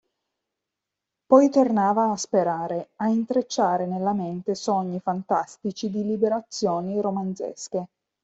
Poi tornava a sperare, a intrecciare nella mente sogni fantastici di liberazioni romanzesche.